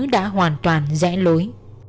đã hoàn toàn rẽ lối